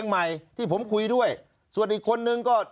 นั่งพื้น